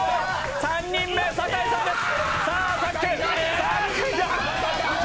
３人目、酒井さんです。